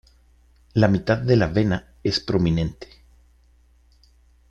La mitad de la vena es prominente.